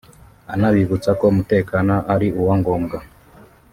anabibutsa ko umutekano ari uwa ngombwa